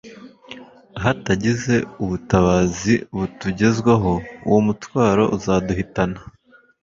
Hatagize ubutabazi butugezwaho, uwo mutwaro uzaduhitana.